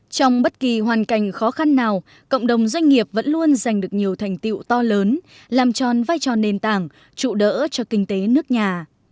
trong bất kỳ hoàn cảnh khó khăn nào cộng đồng doanh nghiệp vẫn luôn giành được nhiều thành tiệu to lớn làm tròn vai trò nền tảng trụ đỡ cho kinh tế nước nhà